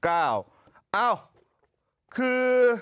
อ้าวคือ